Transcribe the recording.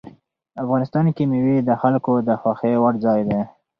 افغانستان کې مېوې د خلکو د خوښې وړ ځای دی.